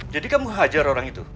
jadi kamu hajar orang itu